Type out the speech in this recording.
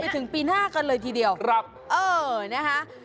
ในตัวถึงปีหน้ากันเลยทีเดียวอ่าเออนะคะ